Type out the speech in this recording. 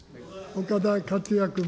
岡田克也君。